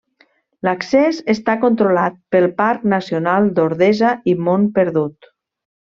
L'accés està controlat pel Parc Nacional d'Ordesa i Mont Perdut.